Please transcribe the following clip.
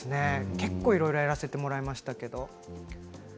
結構いろいろやらせてもらいましたけど。